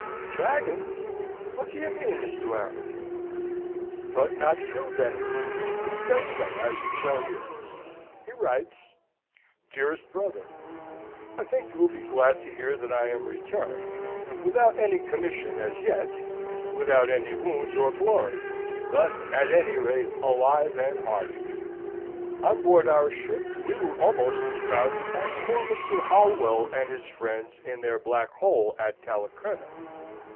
"Dragons! What do you mean, Mr. Warrington?" "But not killed any he says so, as you shall hear. He writes: "'DEAREST BROTHER I think you will be glad to hear that I am returned, without any commission as yet; without any wounds or glory; but, at any rate, alive and harty. On board our ship, we were almost as crowded as poor Mr. Holwell and his friends in their Black Hole at Calicutta.